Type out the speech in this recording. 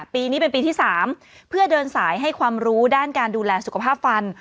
ปีนี้เป็นปีที่๓เพื่อเดินสายให้ความรู้ด้านการดูแลสุขภาพฟัน